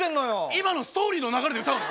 今のストーリーの流れで歌うの？